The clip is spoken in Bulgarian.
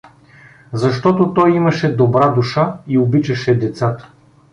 Защото той имаше добра душа и обичаше децата.